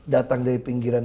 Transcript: datang dari pinggiran